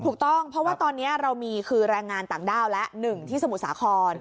ถูกต้องเพราะว่าตอนนี้เรามีคือแรงงานต่างด้าวและ๑ที่สมุทรสาคร